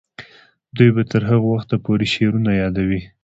دوی به تر هغه وخته پورې شعرونه یادوي.